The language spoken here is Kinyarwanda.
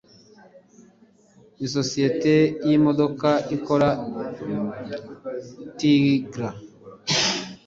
Nisosiyete yimodoka ikora Tigra